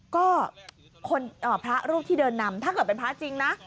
ก็พระรูปที่เดินนำถ้าเกิดเป็นพระจริงนะ